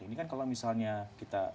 ini kan kalau misalnya kita